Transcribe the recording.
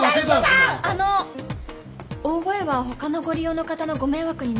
あの大声は他のご利用の方のご迷惑になるので。